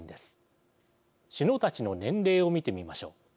首脳たちの年齢を見てみましょう。